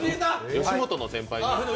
吉本の先輩に。